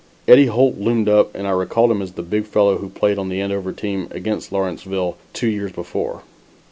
Eddie Holt loomed up and I recalled him as the big fellow who played on the Andover team against Lawrenceville two years before.